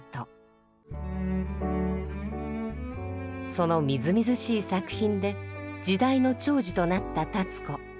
そのみずみずしい作品で時代の寵児となった立子。